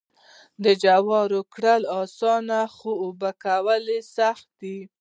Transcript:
جوار کرل اسانه خو اوبه کول یې سخت دي.